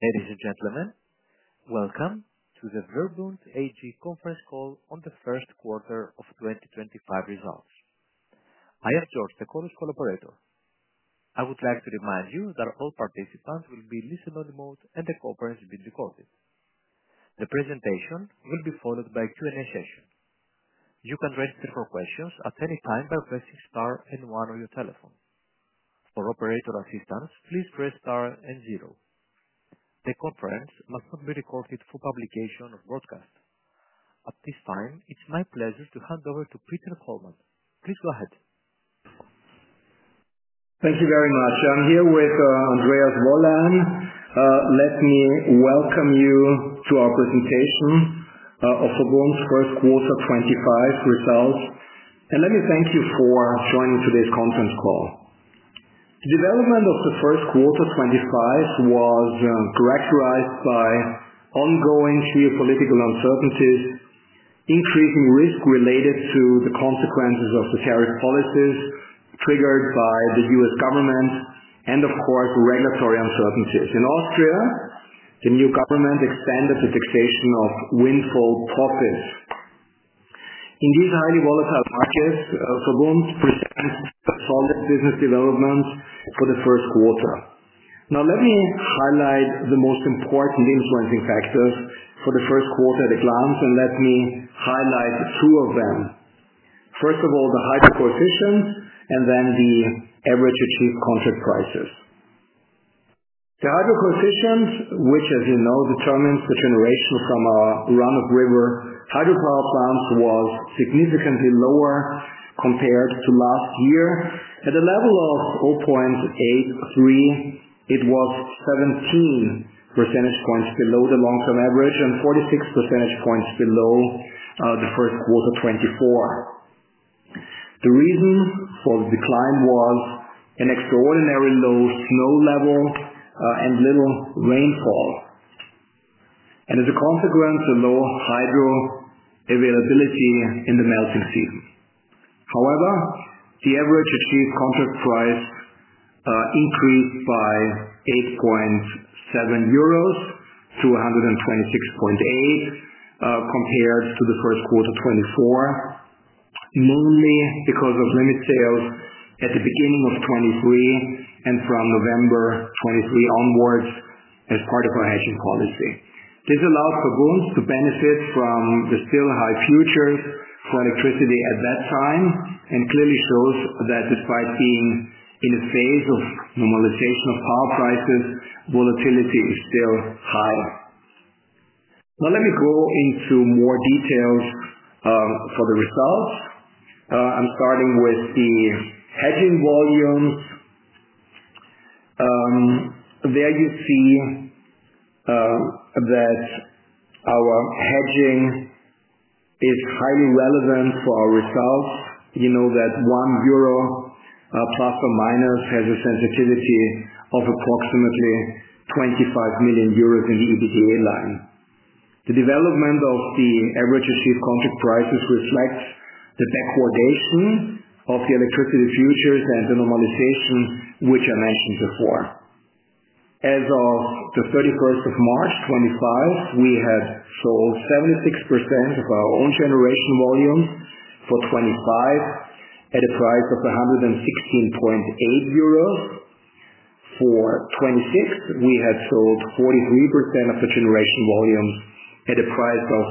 Ladies and gentlemen, welcome to the VERBUND AG conference call on the first quarter of 2025 results. I am George, the call operator. I would like to remind you that all participants will be listed on the board, and the conference will be recorded. The presentation will be followed by a Q&A session. You can register for questions at any time by pressing star and one on your telephone. For operator assistance, please press star and zero. The conference must not be recorded for publication or broadcast. At this time, it’s my pleasure to hand over to Peter Kollmann. Please go ahead. Thank you very much. I'm here with Andreas Wollein. Let me welcome you to our presentation of VERBUND's first quarter 2025 results, and let me thank you for joining today's conference call. The development of the first quarter 2025 was characterized by ongoing geopolitical uncertainties, increasing risk related to the consequences of the tariff policies triggered by the US government, and, of course, regulatory uncertainties. In Austria, the new government expanded the taxation of windfall profits. In these highly volatile markets, VERBUND presents a solid business development for the first quarter. Now, let me highlight the most important influencing factors for the first quarter at a glance, and let me highlight two of them. First of all, the hydro coefficient, and then the average achieved contract prices. The hydro coefficient, which, as you know, determines the generation from our run-of-river hydropower plants, was significantly lower compared to last year. At a level of 0.83, it was 17 percentage points below the long-term average and 46 percentage points below the first quarter 2024. The reason for the decline was an extraordinarily low snow level and little rainfall, and, as a consequence, a low hydro availability in the melting season. However, the average achieved contract price increased by 8.7 euros to 126.8 compared to the first quarter 2024, mainly because of limited sales at the beginning of 2023 and from November 2023 onwards as part of our hedging policy. This allowed VERBUND to benefit from the still high futures for electricity at that time and clearly shows that, despite being in a phase of normalization of power prices, volatility is still high. Now, let me go into more detail for the results. I’m starting with the hedging volumes. There you see that our hedging is highly relevant for our results. You know that one euro plus or minus has a sensitivity of approximately 25 million euros in the EBITDA line. The development of the average achieved contract prices reflects the backwardation of the electricity futures and the normalization I mentioned before. As of 31st of March 2025, we had sold 76% of our own generation volumes for 2025 at a price of 116.8 euros. For 2026, we had sold 43% of the generation volumes at a price of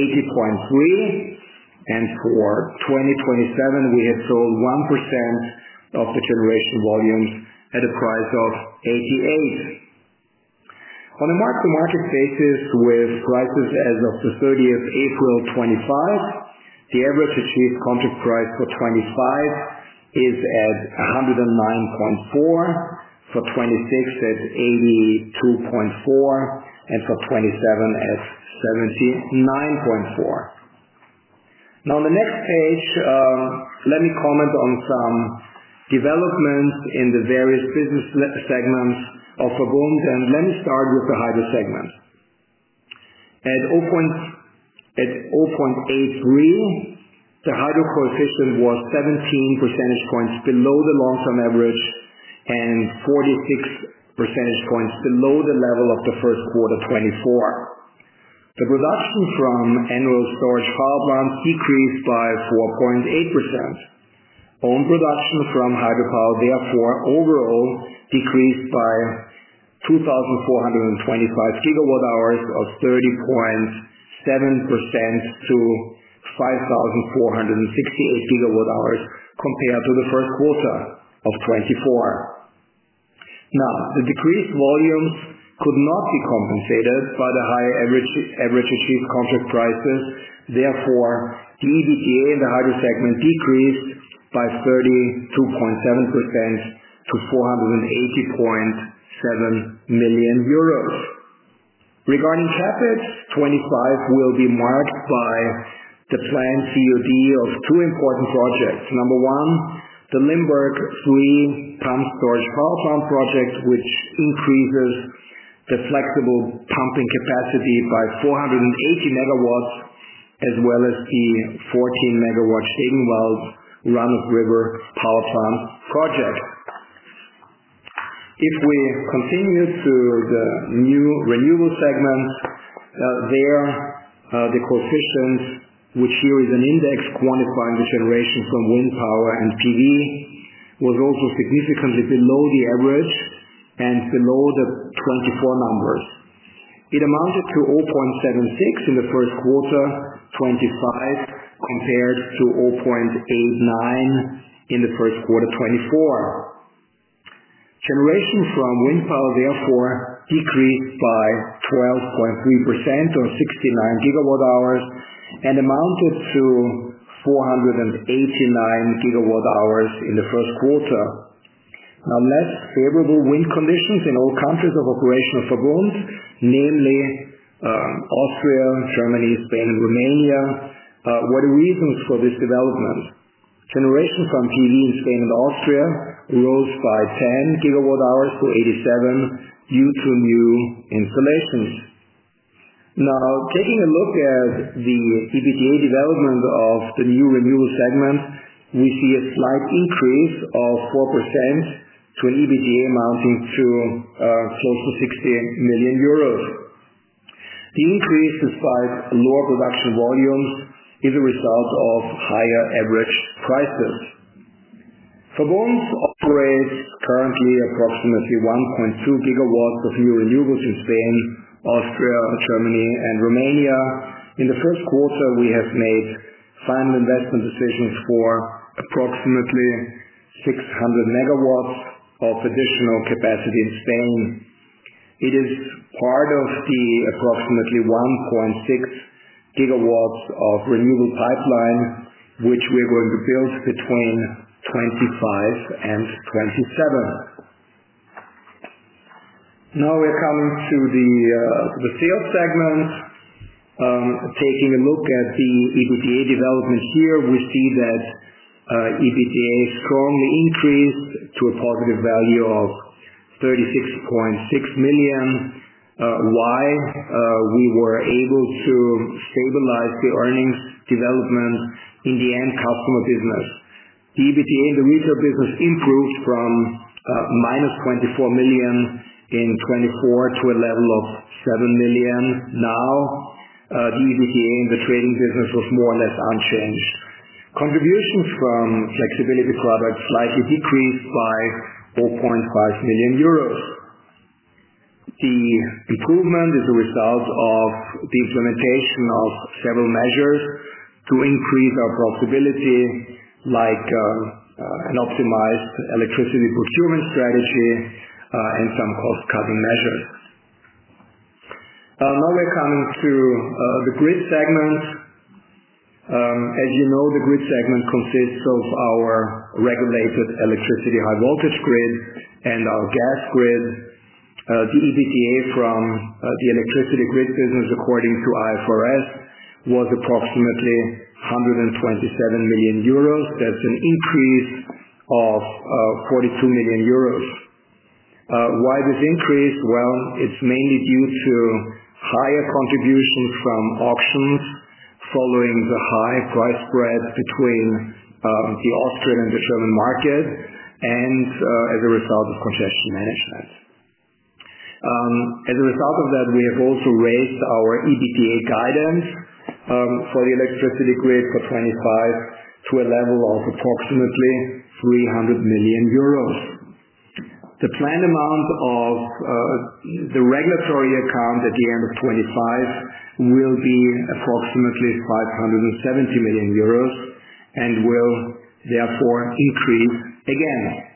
80.3, and for 2027, we had sold 1% of the generation volumes at a price of 88. On a mark-to-market basis, with prices as of 30th of April 2025, the average achieved contract price for 2025 is 109.4, for 2026 82.4, and for 2027 79.4. Now, on the next page, let me comment on some developments in the various business segments of VERBUND, and let me start with the hydro segment. At 0.83, the hydro coefficient was 17 percentage points below the long-term average and 46 percentage points below the level of the first quarter of 2024. Production from annual storage power plants decreased by 4.8%. Own production from hydropower therefore decreased overall by 2,425 gigawatt-hours, or 30.7%, to 5,468 gigawatt-hours compared to the first quarter of 2024. The decreased volumes could not be compensated by the higher average achieved contract prices. Therefore, EBITDA in the hydro segment decreased by 32.7% to EUR 480.7 million. Regarding CAPEX, 2025 will be marked by the planned COD of two important projects. Number one, the Limburg three-pump storage power plant project, which increases the flexible pumping capacity by 480 megawatts, as well as the 14-megawatt Stegenwald run-of-river power plant project. Now, taking a look at the EBITDA development of the new renewable segment, we see a slight increase of 4% to an EBITDA amounting to close to 60 million euros. The increase, despite lower production volumes, is a result of higher average prices. VERBUND operates currently approximately 1.2 gigawatts of new renewables in Spain, Austria, Germany, and Romania. In the first quarter, we have made final investment decisions for approximately 600 megawatts of additional capacity in Spain. It is part of the approximately 1.6 gigawatts of renewable pipeline, which we are going to build between 2025 and 2027. Now, we are coming to the sales segment. Taking a look at the EBITDA development here, we see that EBITDA strongly increased to a positive value of 36.6 million. Why? We were able to stabilize the earnings development in the end customer business. The EBITDA in the retail business improved from minus 24 million in 2024 to a level of 7 million. Now, the EBITDA in the trading business was more or less unchanged. Contributions from flexibility products slightly decreased by 0.5 million euros. The improvement is a result of the implementation of several measures to increase our profitability, like an optimized electricity procurement strategy and some cost-cutting measures. Now, we're coming to the grid segment. As you know, the grid segment consists of our regulated electricity high-voltage grid and our gas grid. The EBITDA from the electricity grid business, according to IFRS, was approximately 127 million euros. That's an increase of 42 million euros. Why this increase? It is mainly due to higher contributions from auctions following the high price spread between the Austrian and the German market and as a result of congestion management. As a result of that, we have also raised our EBITDA guidance for the electricity grid for 2025 to a level of approximately 300 million euros. The planned amount of the regulatory account at the end of 2025 will be approximately 570 million euros and will therefore increase again.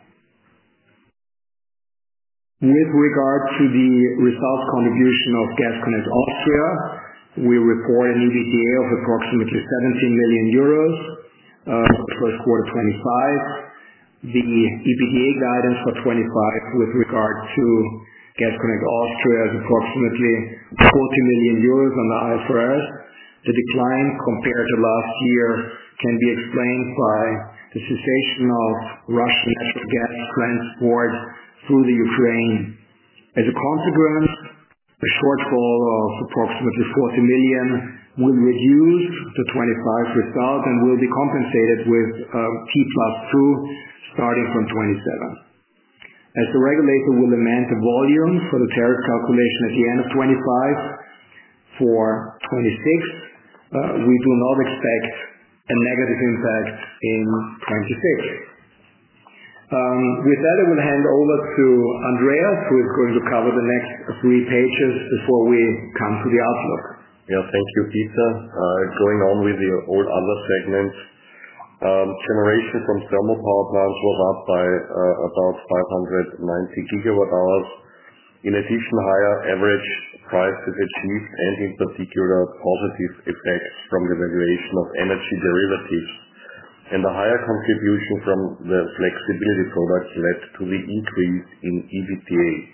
With regard to the results contribution of Gasconnect Austria, we report an EBITDA of approximately 17 million euros for the first quarter 2025. The EBITDA guidance for 2025 with regard to Gasconnect Austria is approximately 40 million euros on the IFRS. The decline compared to last year can be explained by the cessation of Russian natural gas transport through Ukraine. As a consequence, a shortfall of approximately 40 million will reduce the 2025 result and will be compensated with T plus two starting from 2027. As the regulator will amend the volume for the tariff calculation at the end of 2025 for 2026, we do not expect a negative impact in 2026. With that, I will hand over to Andreas, who is going to cover the next three pages before we come to the outlook. Yeah, thank you, Peter. Going on with the other segment, generation from thermal power plants was up by about 590 gigawatt-hours. In addition, higher average prices achieved — in particular, positive effects from the valuation of energy derivatives — contributed to the increase in EBITDA. The higher contribution from flexibility products also supported the improvement in EBITDA.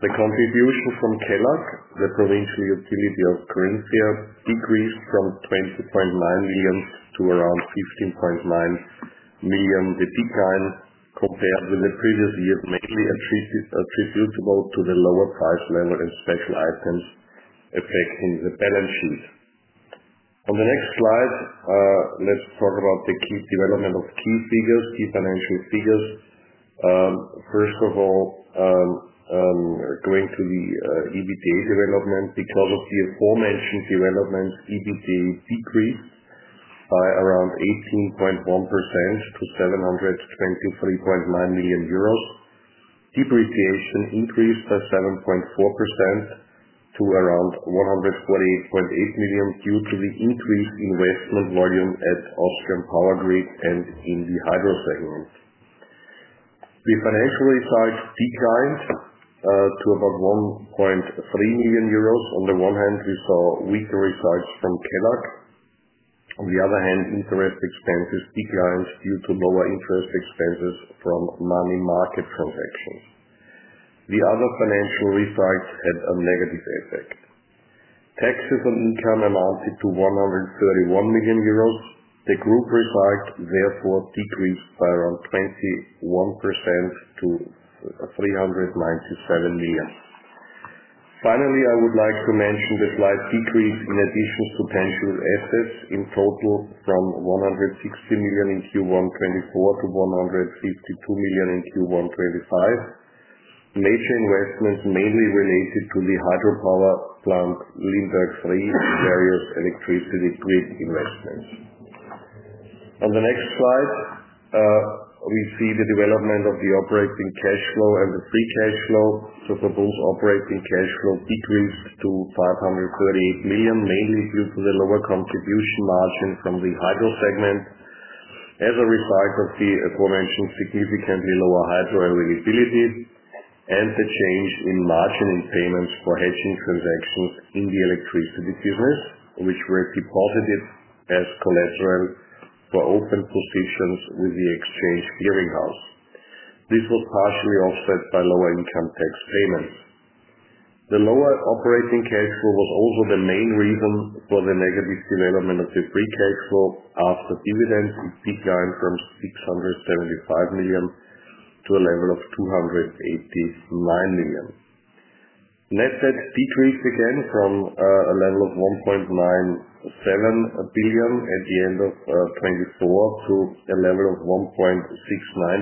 The contribution from KELAG, the provincial utility of Carinthia, decreased from EUR 20.9 million to around EUR 15.9 million. Depreciation increased by 7.4% to around 148.8 million due to the increased investment volume at Austrian Power Grid and in the hydro segment. The financial results declined to about 1.3 million euros. On the one hand, we saw weaker results from KELAG. On the other hand, interest expenses declined due to lower interest expenses from money market transactions. The other financial results had a negative effect. Taxes on income amounted to 131 million euros. The group result, therefore, decreased by around 21% to 397 million. Finally, I would like to mention the slight decrease in additions to tangible assets to a total from 160 million in Q1 2024 to 152 million in Q1 2025. Major investments mainly related to the hydropower plant Limburg Three and various electricity grid investments. On the next slide, we see the development of the operating cash flow and the free cash flow. VERBUND’s operating cash flow decreased to 538 million, mainly due to the lower contribution margin from the hydro segment as a result of the aforementioned significantly lower hydro availability and the change in margin in payments for hedging transactions in the electricity business, which were deposited as collateral for open positions with the exchange clearing house. This was partially offset by lower income tax payments. The lower operating cash flow was also the main reason for the negative development of the free cash flow after dividends. It declined from 675 million to a level of 239 million. Net debt decreased again from a level of 1.97 billion at the end of 2024 to a level of 1.69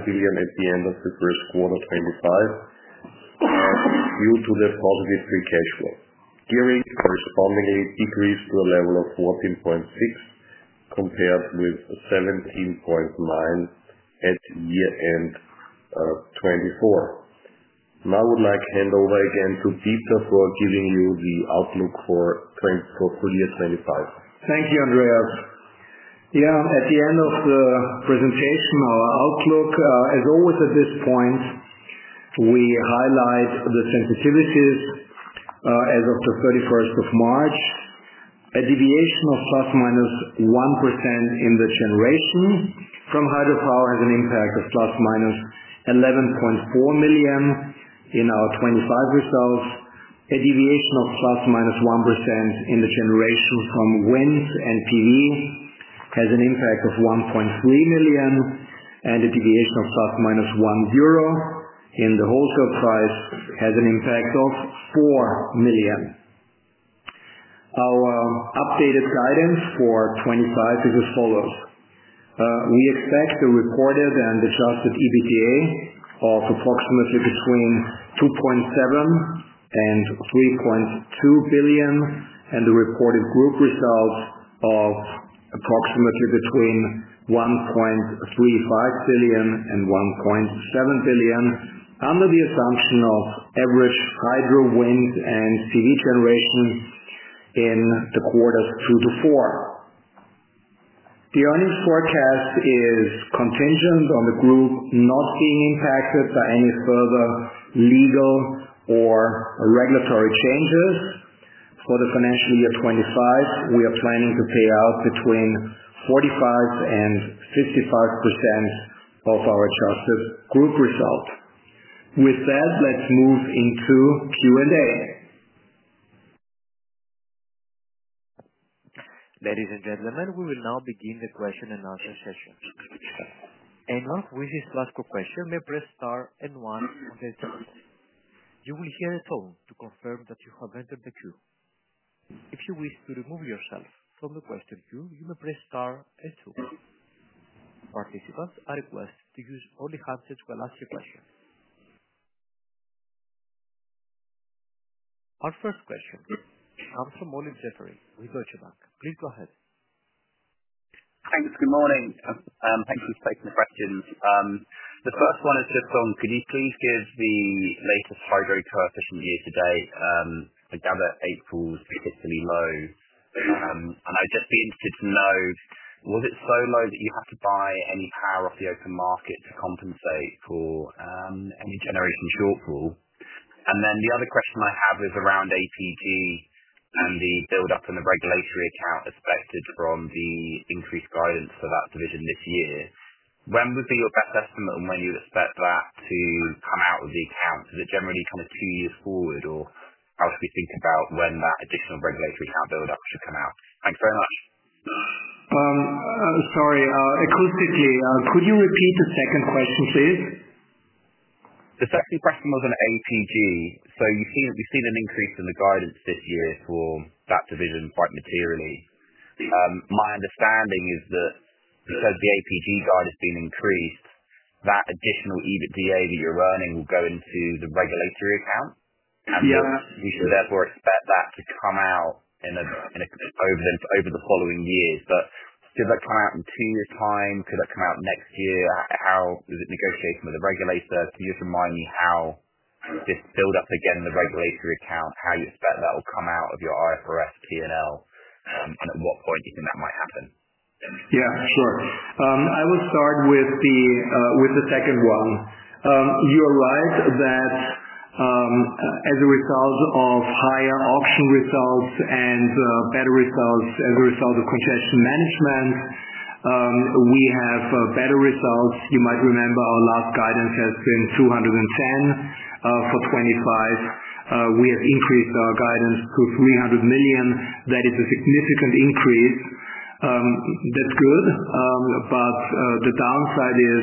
billion at the end of the first quarter 2025 due to the positive free cash flow. Gearing correspondingly decreased to a level of 14.6% compared with 17.9% at year-end 2024. Now, I would like to hand over again to Peter for giving you the outlook for year 2025. Thank you, Andreas. Yeah, at the end of the presentation, our outlook, as always at this point, we highlight the sensitivities as of the 31st of March. A deviation of plus minus 1% in the generation from hydropower has an impact of plus minus 11.4 million in our 2025 results. A deviation of plus minus 1% in the generation from wind and PV has an impact of 1.3 million, and a deviation of plus minus 1 euro in the wholesale price has an impact of 4 million. Our updated guidance for 2025 is as follows. We expect the reported and adjusted EBITDA of approximately between 2.7 billion and 3.2 billion, and the reported group results of approximately between 1.35 billion and 1.7 billion under the assumption of average hydro, wind, and PV generation in the quarters two to four. The earnings forecast is contingent on the group not being impacted by any further legal or regulatory changes. For the financial year 2025, we are planning to pay out between 45% and 55% of our adjusted group result. With that, let's move into Q&A. Ladies and gentlemen, we will now begin the question-and-answer session. Anyone who wishes to ask a question may press star and one on the chart. You will hear a tone to confirm that you have entered the queue. If you wish to remove yourself from the question queue, you may press star and two. Participants are requested to use only handsets while asking questions. Our first question comes from Olly Jeffery with Deutsche Bank. Please go ahead. Thanks. Good morning. Thanks for taking the questions. The first one is just on, could you please give the latest hydro coefficient year to date? I gather April’s particularly low. I’d just be interested to know, was it so low that you had to buy any power off the open market to compensate for any generation shortfall? The other question I have is around APG and the build-up in the regulatory account expected from the increased guidance for that division this year. When would be your best estimate on when you would expect that to come out of the account? Is it generally kind of two years forward, or how should we think about when that additional regulatory account build-up should come out? Thanks very much. Sorry, acoustically, could you repeat the second question, please? The second question was on APG. We have seen an increase in the guidance this year for that division quite materially. My understanding is that because the APG guide has been increased, that additional EBITDA that you are earning will go into the regulatory account, and we should therefore expect that to come out over the following years. Could that come out in two years’ time? Could that come out next year? Is it negotiating with the regulator? Could you just remind me how this build-up against the regulatory account, how you expect that will come out of your IFRS P&L, and at what point you think that might happen? Yeah, sure. I will start with the second one. You’re right that as a result of higher auction results and better results as a result of congestion management, we have better results. You might remember our last guidance has been 210 million for 2025. We have increased our guidance to 300 million. That is a significant increase. That is good. The downside is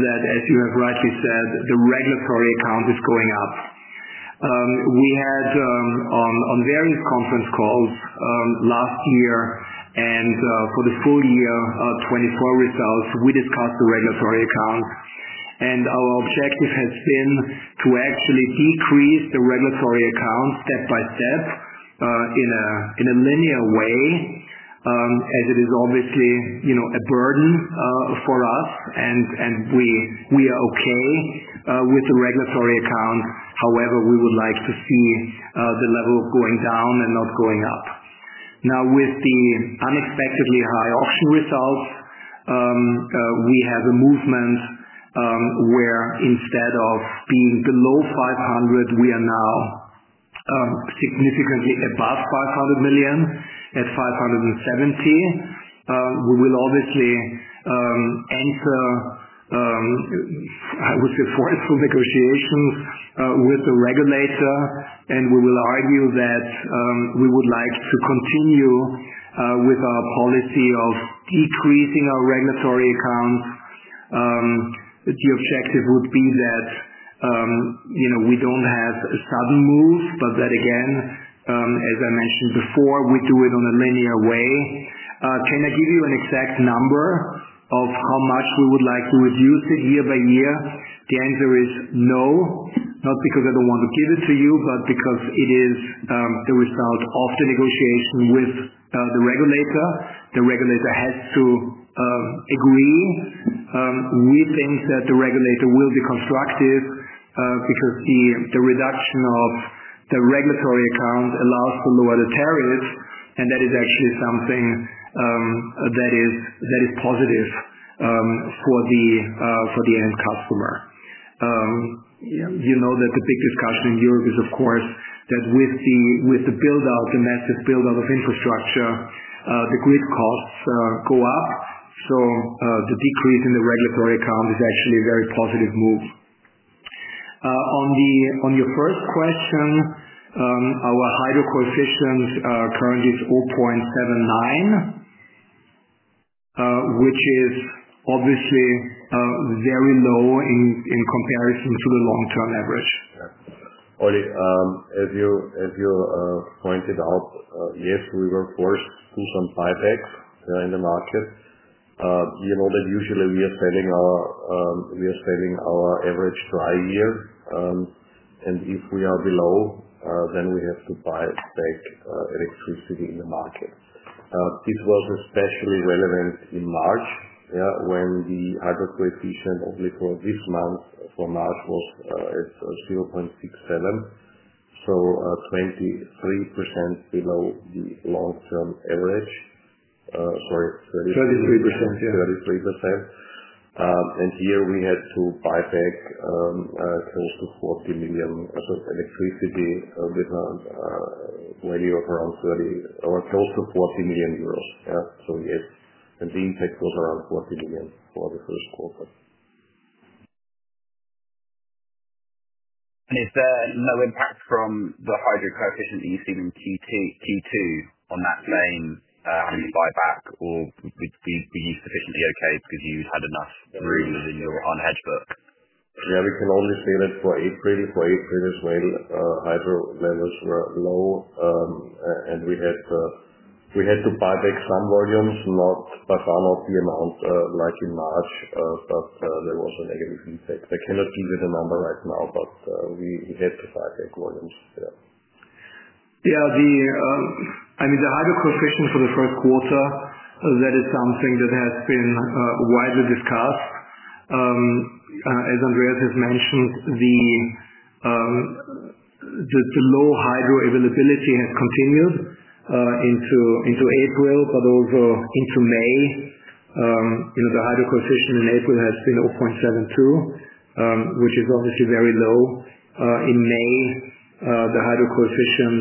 that, as you have rightly said, the regulatory account is going up. We had, on various conference calls last year and for the full-year 2024 results, we discussed the regulatory account. Our objective has been to actually decrease the regulatory account step by step in a linear way, as it is obviously a burden for us, and we are okay with the regulatory account. However, we would like to see the level going down and not going up. Now, with the unexpectedly high auction results, we have a movement where instead of being below 500 million, we are now significantly above 500 million at 570 million. We will obviously enter, I would say, forceful negotiations with the regulator, and we will argue that we would like to continue with our policy of decreasing our regulatory accounts. The objective would be that we do not have a sudden move, but that, again, as I mentioned before, we do it in a linear way. Can I give you an exact number of how much we would like to reduce it year by year? The answer is no, not because I do not want to give it to you, but because it is the result of the negotiation with the regulator. The regulator has to agree. We think that the regulator will be constructive because the reduction of the regulatory account allows to lower the tariffs, and that is actually something that is positive for the end customer. You know that the big discussion in Europe is, of course, that with the build-up, the massive build-up of infrastructure, the grid costs go up. The decrease in the regulatory account is actually a very positive move. On your first question, our hydro coefficient currently is 0.79, which is obviously very low in comparison to the long-term average. Olly, as you pointed out, yes, we were forced to some buybacks in the market. You know that usually we are selling our average dry year, and if we are below, then we have to buy back electricity in the market. This was especially relevant in March when the hydro coefficient only for this month for March was 0.67, so 23% below the long-term average. Sorry, 33%. 33%, yeah. 33%. Here we had to buy back close to 40 million of electricity with a value of around 30 million or close to 40 million euros. Yes, the impact was around 40 million for the first quarter. Is there no impact from the hydro coefficient that you've seen in Q2 on that same buyback, or were you sufficiently okay because you had enough room in your hedge book? Yeah, we can only say that for April. For April as well, hydro levels were low, and we had to buy back some volumes, but not the amount like in March, but there was a negative impact. I cannot give you the number right now, but we had to buy back volumes. Yeah. I mean, the hydro coefficient for the first quarter, that is something that has been widely discussed. As Andreas has mentioned, the low hydro availability has continued into April, but also into May. The hydro coefficient in April has been 0.72, which is obviously very low. In May, the hydro coefficient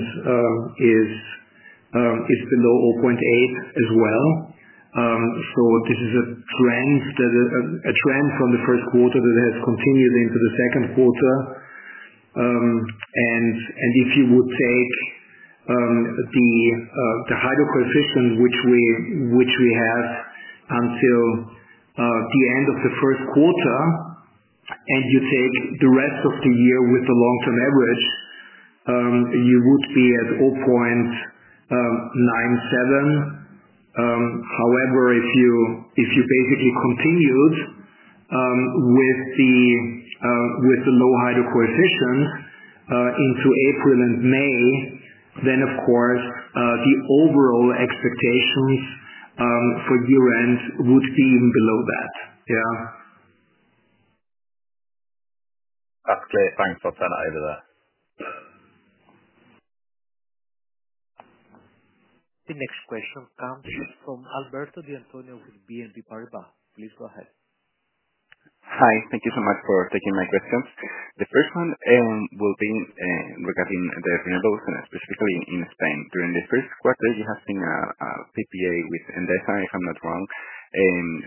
is below 0.8 as well. This is a trend from the first quarter that has continued into the second quarter. If you would take the hydro coefficient, which we have until the end of the first quarter, and you take the rest of the year with the long-term average, you would be at 0.97. However, if you basically continued with the low hydro coefficient into April and May, then, of course, the overall expectations for year-end would be even below that. Yeah. That's clear. Thanks for turning over there. The next question comes from Alberto de Antonio with BNP Paribas. Please go ahead. Hi. Thank you so much for taking my questions. The first one will be regarding the renewables, and specifically in Spain. During the first quarter, you have seen a PPA with Endesa, if I’m not wrong,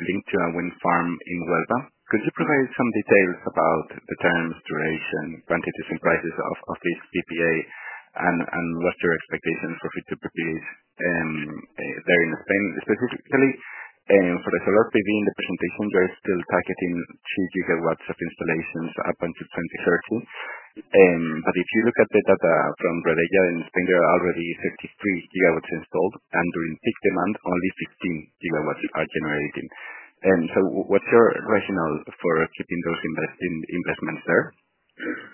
linked to a wind farm in Huelva. Could you provide some details about the terms, duration, quantities, and prices of this PPA, and what’s your expectation for future PPAs there in Spain, specifically? For the solar PV in the presentation, you are still targeting 2 gigawatts of installations up until 2030. If you look at the data from Red Eléctrica in Spain, there are already 33 gigawatts installed, and during peak demand, only 15 gigawatts are generating. What’s your rationale for keeping those investments there?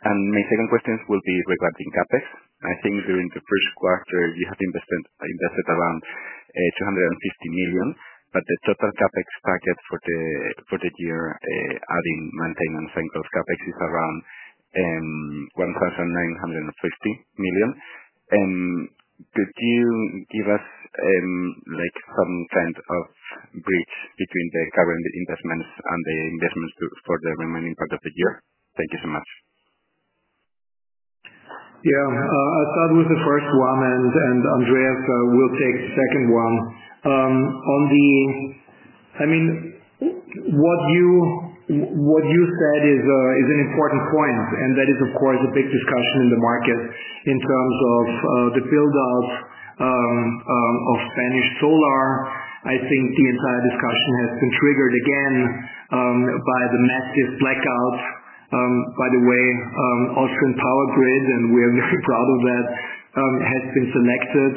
My second question will be regarding CAPEX. I think during the first quarter, you have invested around 250 million, but the total CAPEX target for the year, adding maintenance and gross CAPEX, is around EUR 1,950 million. Could you give us some kind of bridge between the current investments and the investments for the remaining part of the year? Thank you so much. Yeah. That was the first one, and Andreas will take the second one. I mean, what you said is an important point, and that is, of course, a big discussion in the market in terms of the build-up of Spanish solar. I think the entire discussion has been triggered again by the massive blackouts. By the way, Austrian Power Grid, and we are very proud of that, has been selected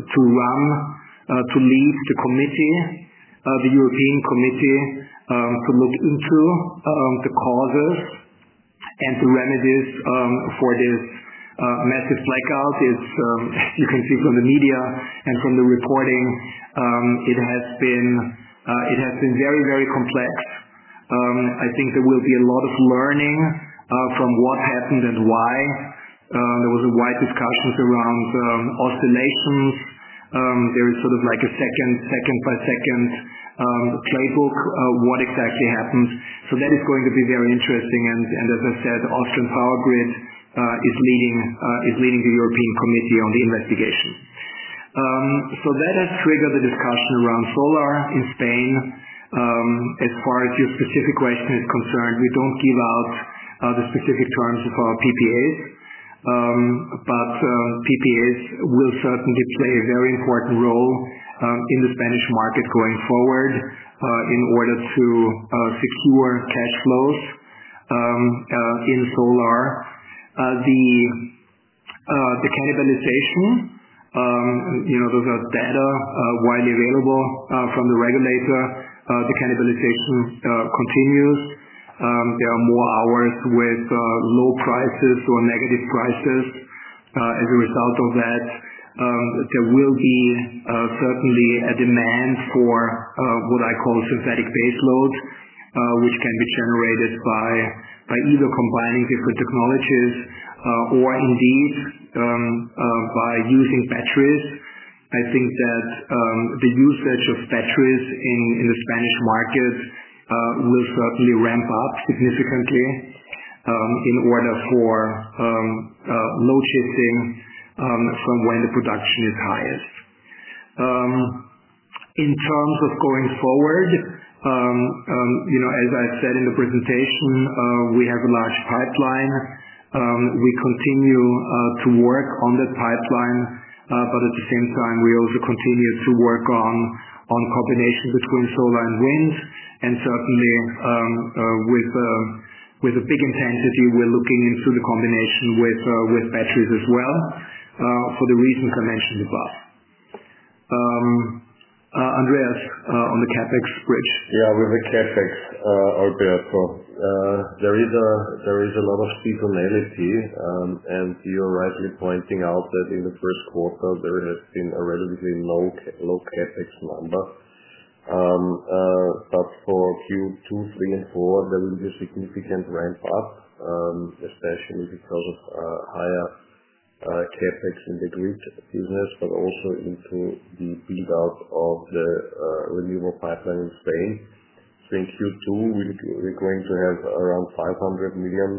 to lead the European Committee to look into the causes and the remedies for this massive blackout. As you can see from the media and from the reporting, it has been very, very complex. I think there will be a lot of learning from what happened and why. There were wide discussions around oscillations. There is sort of like a second-by-second playbook of what exactly happened. That is going to be very interesting. As I said, Austrian Power Grid is leading the European Committee on the investigation. That has triggered the discussion around solar in Spain. As far as your specific question is concerned, we do not give out the specific terms of our PPAs, but PPAs will certainly play a very important role in the Spanish market going forward in order to secure cash flows in solar. The cannibalization, those are data widely available from the regulator. The cannibalization continues. There are more hours with low prices or negative prices as a result of that. There will be certainly a demand for what I call synthetic baseload, which can be generated by either combining different technologies or indeed by using batteries. I think that the usage of batteries in the Spanish market will certainly ramp up significantly in order for load shifting from when the production is highest. In terms of going forward, as I said in the presentation, we have a large pipeline. We continue to work on that pipeline, but at the same time, we also continue to work on the combination between solar and wind. Certainly, with a big intensity, we’re looking into the combination with batteries as well for the reasons I mentioned above. Andreas, on the CAPEX bridge. Yeah, with the CAPEX, Alberto, there is a lot of seasonality, and you’re rightly pointing out that in the first quarter, there has been a relatively low CAPEX number. For Q2, 3, and 4, there will be a significant ramp-up, especially because of higher CAPEX in the grid business, but also into the build-up of the renewable pipeline in Spain. In Q2, we’re going to have around 500 million.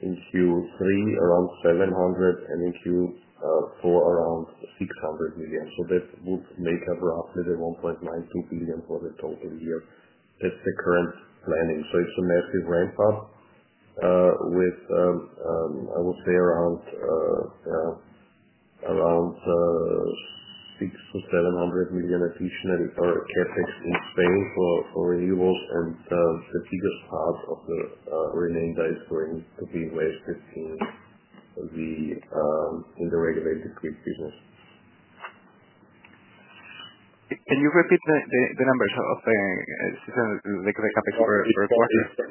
In Q3, around 700 million, and in Q4, around 600 million. That would make up roughly the 1.92 billion for the total year. That’s the current planning. It is a massive ramp-up with, I would say, around 600 million–700 million additionally for CAPEX in Spain for renewables. The biggest part of the remainder is going to be invested in the regulated grid business. Can you repeat the numbers of the CAPEX for the quarter?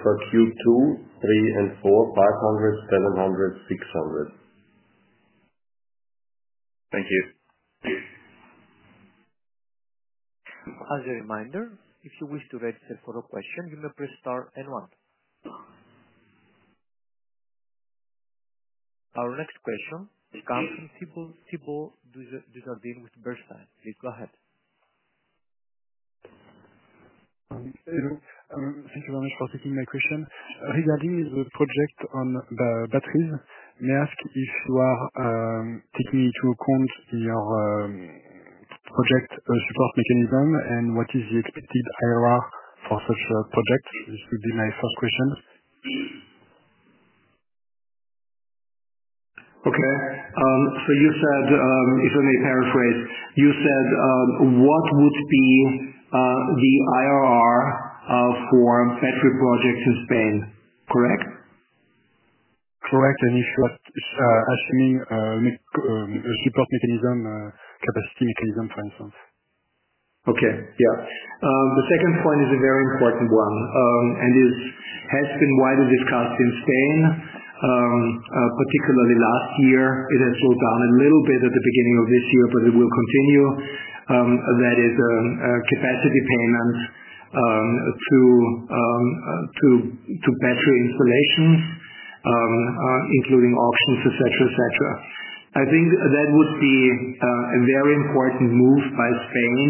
For Q2, 3, and 4, 500, 700, 600. Thank you. As a reminder, if you wish to register for a question, you may press star and one. Our next question comes from Thibault Dujardin with Bernstein. Please go ahead. Thank you very much for taking my question. Regarding the project on batteries, may I ask if you are taking into account your project support mechanism and what is the expected IRR for such a project? This would be my first question. Okay. So you said, if I may paraphrase, you said what would be the IRR for battery projects in Spain, correct? Correct. If you are assuming support mechanism, capacity mechanism, for instance. Okay. Yeah. The second point is a very important one and has been widely discussed in Spain, particularly last year. It has slowed down a little bit at the beginning of this year, but it will continue. That is capacity payments to battery installations, including auctions, etc. I think that would be a very important move by Spain.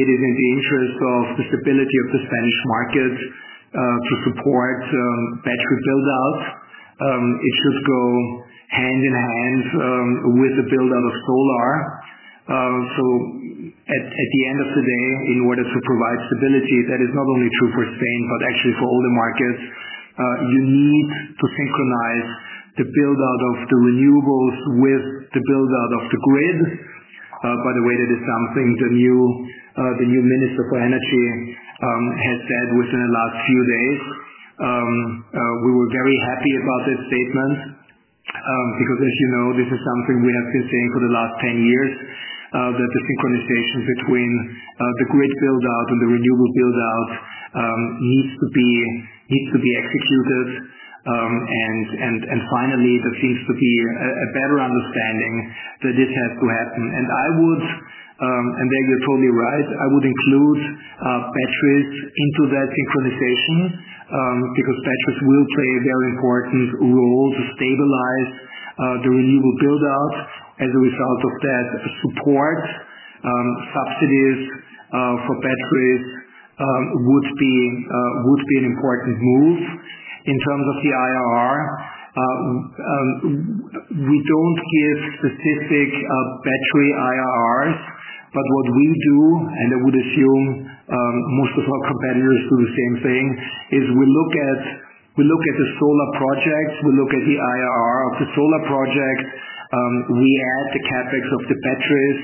It is in the interest of the stability of the Spanish market to support battery build-up. It should go hand in hand with the build-up of solar. At the end of the day, in order to provide stability, that is not only true for Spain, but actually for all the markets. You need to synchronize the build-up of the renewables with the build-up of the grid. By the way, that is something the new Minister for Energy has said within the last few days. We were very happy about that statement because, as you know, this is something we have been saying for the last 10 years — that the synchronization between the grid build-up and the renewable build-up needs to be executed. Finally, there seems to be a better understanding that this has to happen. I would add that you’re totally right. It would include batteries too. That synchronization, because batteries will play a very important role to stabilize the renewable build-up. As a result of that, support subsidies for batteries would be an important move. In terms of the IRR, we don’t give specific battery IRRs, but what we do — and I would assume most of our competitors do the same thing — is we look at the solar projects, we look at the IRR of the solar project, we add the CAPEX of the batteries,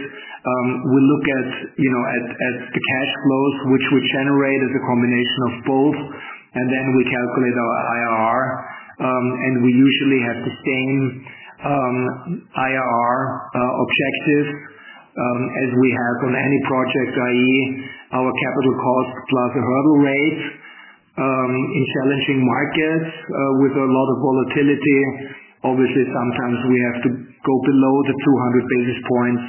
we look at the cash flows, which we generate as a combination of both, and then we calculate our IRR. We usually have the same IRR objectives as we have on any project, i.e., our capital cost plus a hurdle rate. In challenging markets with a lot of volatility, obviously, sometimes we have to go below the 200 basis points,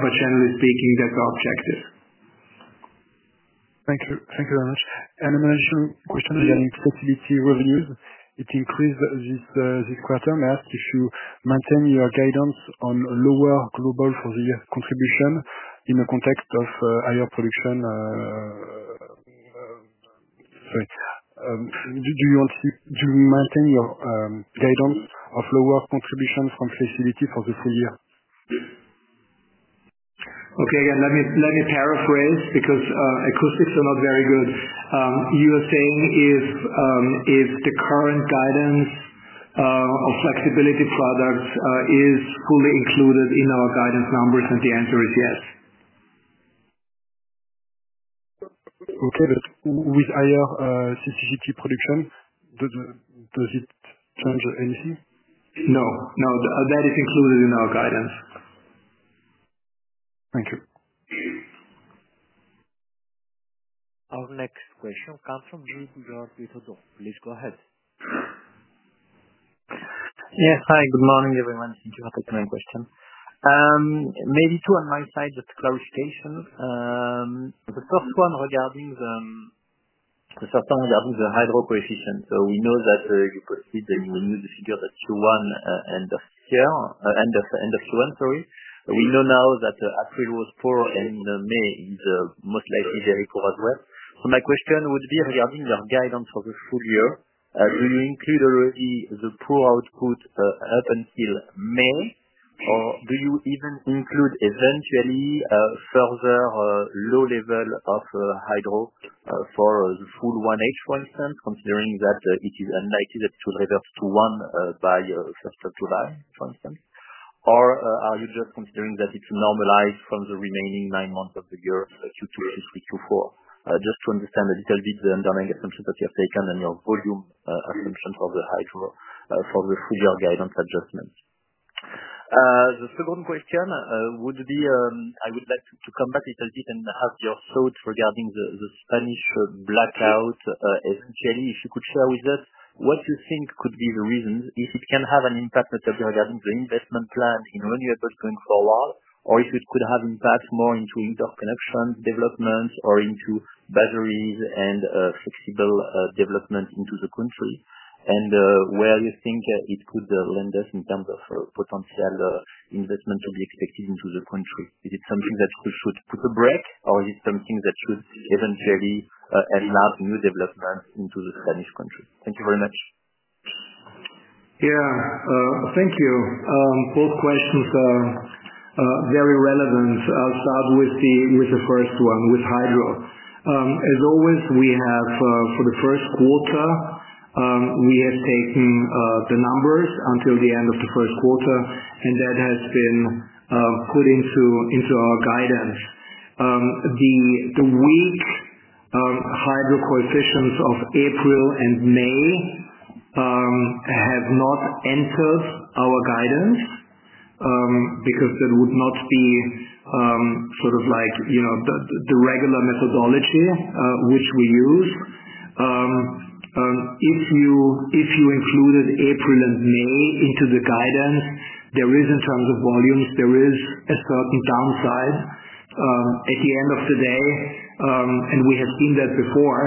but generally speaking, that’s our objective Thank you very much. An additional question: flexibility revenues increased this quarter. May I ask if you maintain your guidance on lower global contribution for the year in the context of higher production? Sorry — do you maintain your guidance of lower contribution from flexibility for the full year? Okay. Again, let me paraphrase because acoustics are not very good. You are saying if the current guidance of flexibility products is fully included in our guidance numbers, and the answer is yes. Okay. With higher CCGT production, does it change anything? No. No. That is included in our guidance. Thank you. Our next question comes from Jude Wellin with Holdon. Please go ahead. Yes. Hi. Good morning, everyone. Thank you for taking my question. Maybe two on my side, just for clarification. The first one regarding the hydro coefficient. We know that you posted the figure at Q1 — end of Q1, sorry. We know now that April was poor and May is most likely very poor as well. My question would be regarding your guidance for the full year. Do you include already the poor output up until May, or do you even include a further lower level of hydro for the full first half, for instance? Considering that it is unlikely that it will revert to 1 by the 1st of July, for instance? Are you just considering that it is normalized from the remaining nine months of the year, Q2, Q3, Q4? Just to understand a little bit the underlying assumptions that you have taken and your volume assumptions of the hydro for the full-year guidance adjustment. The second question would be — I would like to come back a little bit and have your thoughts regarding the Spanish blackout. Eventually, if you could share with us what you think could be the reasons, if it can have an impact regarding the investment plan in renewables going forward, or if it could have more impact into interconnection development, or into batteries and flexible development into the country. Where do you think it could lead us in terms of potential investment to be expected into the country? Is it something that should put a brake, or is it something that should eventually enlarge new development into the Spanish country? Thank you very much. Yeah. Thank you. Both questions are very relevant. I’ll start with the first one with hydro. As always, for the first quarter, we have taken the numbers until the end of the first quarter, and that has been put into our guidance. The weak hydro coefficients of April and May have not entered our guidance because that would not be sort of like the regular methodology which we use. If you included April and May into the guidance, there is, in terms of volumes, a certain downside. At the end of the day, and we have seen that before,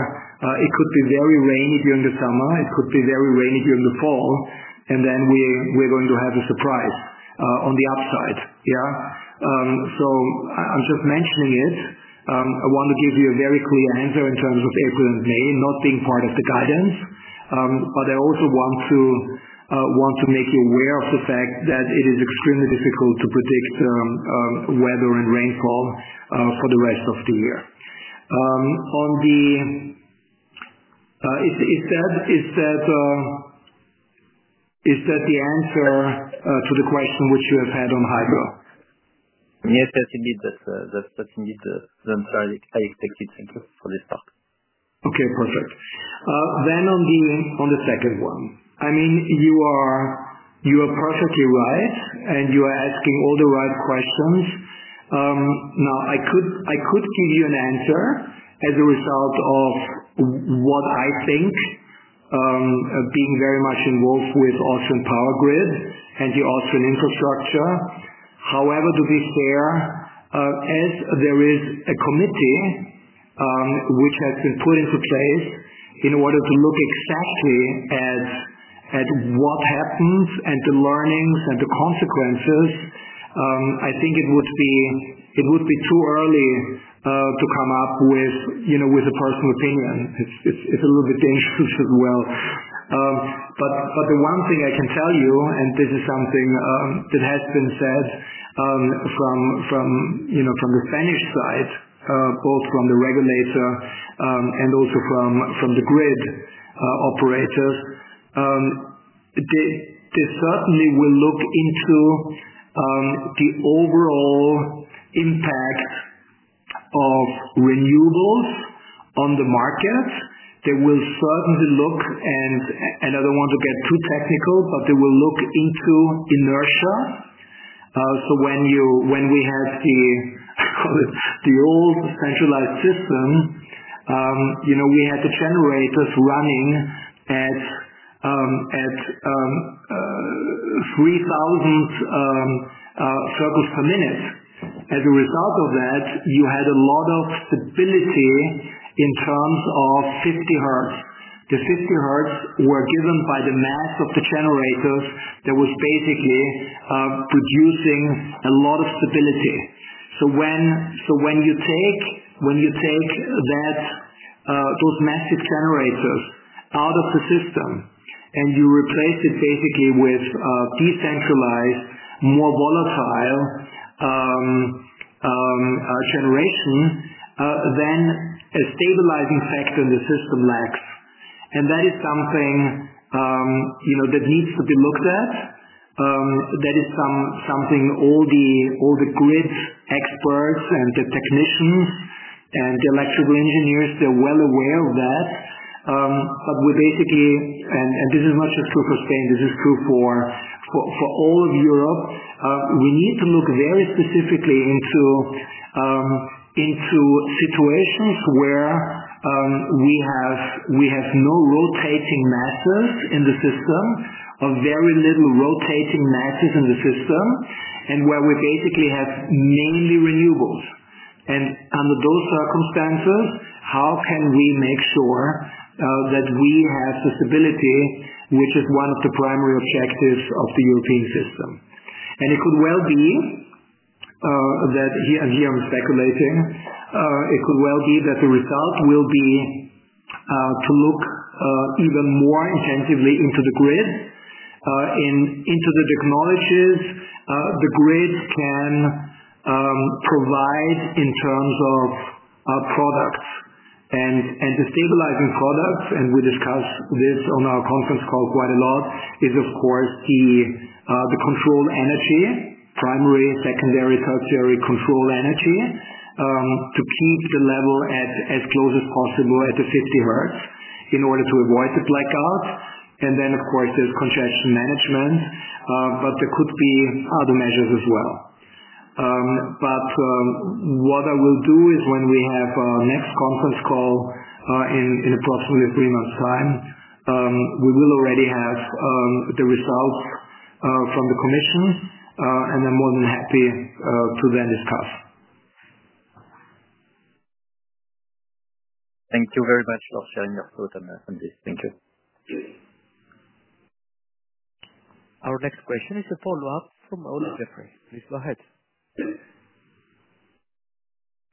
it could be very rainy during the summer, it could be very rainy during the fall, and then we’re going to have a surprise on the upside. Yeah? So I’m just mentioning it. I want to give you a very clear answer in terms of April and May not being part of the guidance, but I also want to make you aware of the fact that it is extremely difficult to predict weather and rainfall for the rest of the year. Is that the answer to the question which you have had on hydro? Yes, yes, indeed. That's indeed the answer I expected. Thank you for this part. Okay. Perfect. On the second one, I mean, you are perfectly right, and you are asking all the right questions. Now, I could give you an answer as a result of what I think, being very much involved with Austrian Power Grid and the Austrian infrastructure. However, to be fair, as there is a committee which has been put into place in order to look exactly at what happens and the learnings and the consequences, I think it would be too early to come up with a personal opinion. It is a little bit dangerous as well. The one thing I can tell you, and this is something that has been said from the Spanish side, both from the regulator and also from the grid operators, is that they certainly will look into the overall impact of renewables on the market. They will certainly look, and I do not want to get too technical, but they will look into inertia. When we had the old centralized system, we had the generators running at 3,000 cycles per minute. As a result of that, you had a lot of stability in terms of 50 Hz. The 50 Hz were given by the mass of the generators that was basically producing a lot of stability. When you take those massive generators out of the system and you replace it basically with decentralized, more volatile generation, then a stabilizing factor in the system lacks. That is something that needs to be looked at. That is something all the grid experts and the technicians and the electrical engineers are very well aware of. We basically—and this is not just true for Spain, this is true for all of Europe—need to look very specifically into situations where we have no rotating masses in the system, very little rotating masses in the system, and where we basically have mainly renewables. Under those circumstances, how can we make sure that we have the stability, which is one of the primary objectives of the European system? It could well be that—and here I am speculating—it could well be that the result will be to look even more intensively into the grid, into the technologies the grid can provide in terms of products. The stabilizing products—and we discuss this on our conference call quite a lot—are, of course, the control energy, primary, secondary, tertiary control energy, to keep the level as close as possible at the 50 Hertz in order to avoid the blackout. There is congestion management, but there could be other measures as well. What I will do is when we have our next conference call in approximately three months’ time, we will already have the results from the commission, and I’m more than happy to then discuss. Thank you very much for sharing your thoughts on this. Thank you. Our next question is a follow-up from Olly Jeffrey. Please go ahead.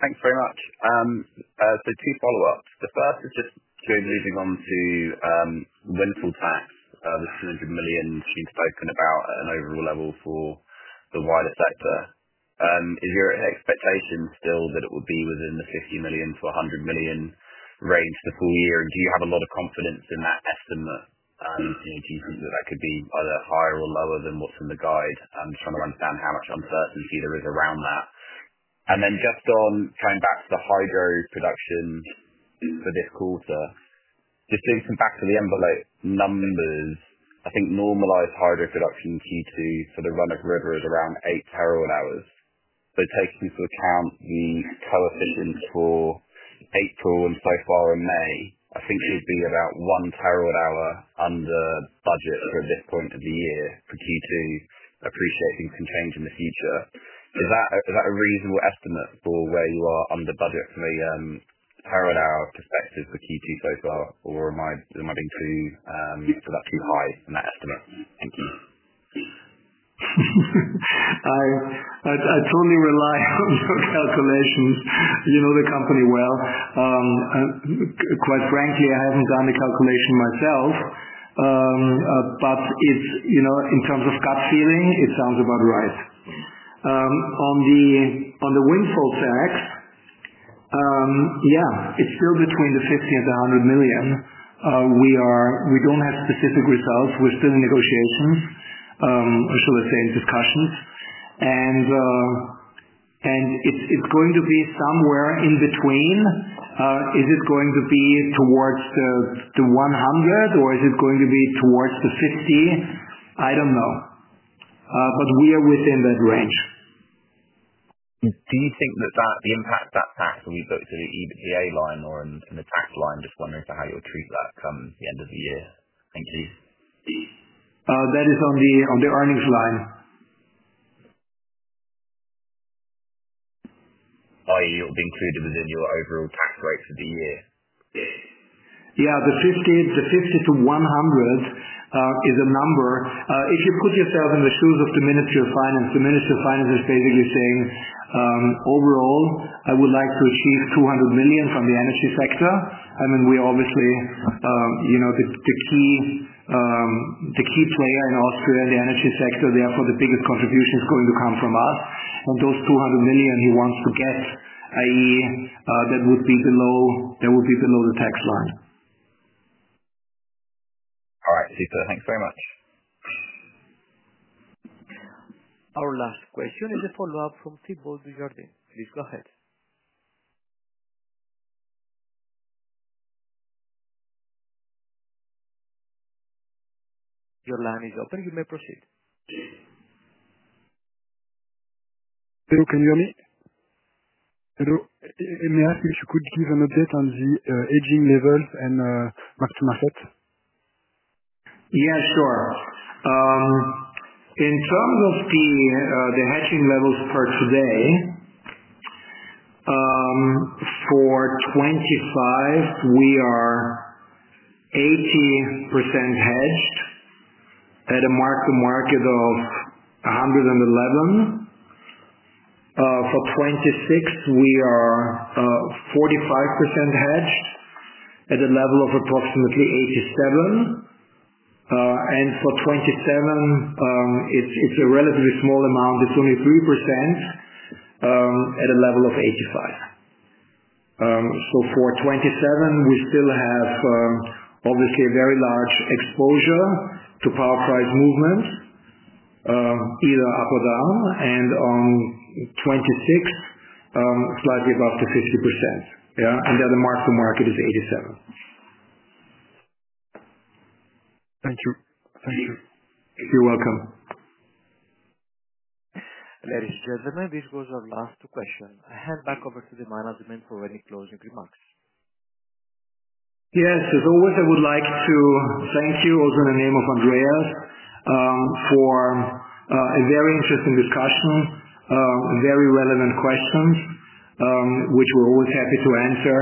Thanks very much. Two follow-ups. The first is just leaning on the rental tax, the 200 million which you’ve spoken about at an overall level for the wider sector. Is your expectation still that it would be within the 50 million–100 million range for the full year? Do you have a lot of confidence in that estimate? Do you think that could be either higher or lower than what’s in the guide? I’m just trying to understand how much uncertainty there is around that. Taking into account the coefficients for April and so far in May, I think it would be about 1 terawatt-hour under budget for this point of the year for Q2, appreciating some change in the future. Is that a reasonable estimate for where you are under budget from a terawatt-hour perspective for Q2 so far, or am I being too high in that estimate? Thank you. I totally rely on your calculations. You know the company well. Quite frankly, I haven’t done the calculation myself, but in terms of gut feeling, it sounds about right. On the windfall tax, yeah, it’s still between 50 million and 100 million. We don’t have specific results. We’re still in negotiations, or should I say in discussions. It’s going to be somewhere in between. Is it going to be towards the 100 million, or is it going to be towards the 50 million? I don’t know. We are within that range. Do you think that the impact of that tax will be booked in the EBITDA line or in the tax line? Just wondering how you’ll treat that come the end of the year. Thank you. That is on the earnings line. It will be included within your overall tax rate for the year. Yeah. The 50–100 is a number. If you put yourself in the shoes of the Ministry of Finance, the Ministry of Finance is basically saying, “Overall, I would like to achieve 200 million from the energy sector.” I mean, we are obviously the key player in Austria in the energy sector. Therefore, the biggest contribution is going to come from us. And those 200 million he wants to get, i.e., that would be below the tax line. All right. Super. Thanks very much. Our last question is a follow-up from Thibault Dujardin. Please go ahead. Your line is open. You may proceed. Hello. Can you hear me? Hello. May I ask if you could give an update on the hedging levels and back to market? Yeah, sure. In terms of the hedging levels per today, for 2025, we are 80% hedged at a mark-to-market of 111. For 2026, we are 45% hedged at a level of approximately 87. For 2027, it is a relatively small amount. It is only 3% at a level of 85. For 2027, we still have obviously a very large exposure to power price movements, either up or down. On 2026, slightly above the 50%. Yeah? The mark-to-market is 87. Thank you. Thank you. You're welcome. Ladies and gentlemen, this was our last question. I hand back over to the management for any closing remarks. Yes. As always, I would like to thank you also in the name of Andreas for a very interesting discussion, very relevant questions, which we're always happy to answer.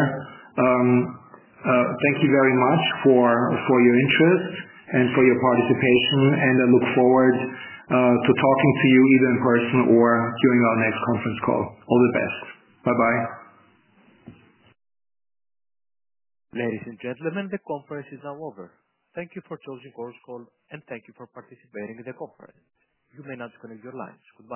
Thank you very much for your interest and for your participation. I look forward to talking to you either in person or during our next conference call. All the best. Bye-bye. Ladies and gentlemen, the conference is now over. Thank you for choosing our call, and thank you for participating in the conference. You may now disconnect your lines.